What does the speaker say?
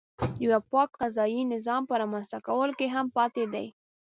د یوه پاک قضایي نظام په رامنځته کولو کې هم پاتې دی.